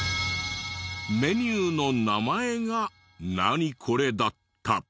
メニューの名前が「ナニコレ？」だった。